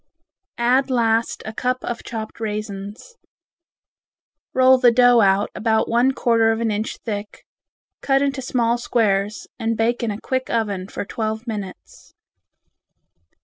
Add last a cup of chopped raisins. Roll the dough out about one quarter of an inch thick, cut into small squares and bake in a quick oven for twelve minutes.